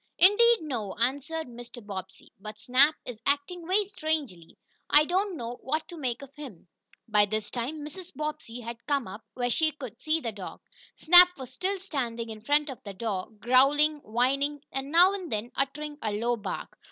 "Indeed, no," answered Mr. Bobbsey. "But Snap is acting very strangely. I don't know what to make of him." By this time Mrs. Bobbsey had come up, where she could see the dog. Snap was still standing in front of the door, growling, whining, and, now and then, uttering a low bark.